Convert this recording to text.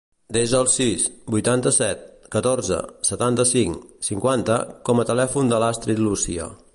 Desa el sis, vuitanta-set, catorze, setanta-cinc, cinquanta com a telèfon de l'Astrid Lucia.